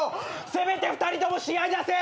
せめて２人とも試合出せ！